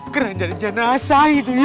keranda jenazah itu iya